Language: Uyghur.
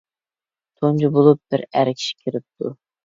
تۇنجى بولۇپ بىر ئەر كىشى كىرىپتۇ.